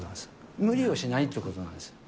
無理をしないということなんです。